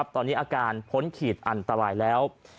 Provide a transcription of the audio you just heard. ตอนนี้อาการพ้นขีดอันตรายแล้ว